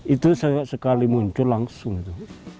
itu sekali muncul langsung itu